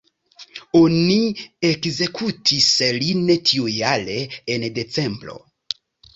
Oni ekzekutis lin tiujare, en decembro.